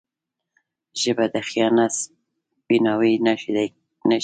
ژبه د خیانت سپیناوی نه شي کېدای.